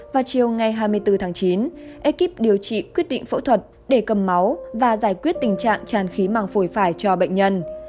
vào chiều ngày hai mươi bốn tháng chín ekip điều trị quyết định phẫu thuật để cầm máu và giải quyết tình trạng tràn khí màng phổi phải cho bệnh nhân